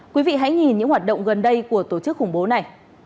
quý vị hãy nhìn những hoạt động gần đây của tổ chức khủng bố này